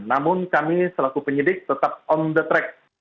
namun kami selaku penyidik tetap on the track